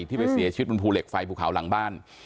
ที่ไปเสียชีวิตบนภูเหล็กไฟภูเขาหลังบ้าน